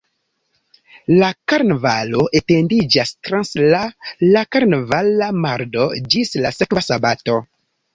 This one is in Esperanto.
La karnavalo etendiĝas trans la la karnavala mardo ĝis la sekva "sabato".